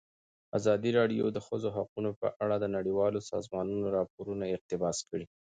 ازادي راډیو د د ښځو حقونه په اړه د نړیوالو سازمانونو راپورونه اقتباس کړي.